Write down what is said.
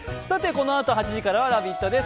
このあと８時からは「ラヴィット！」です。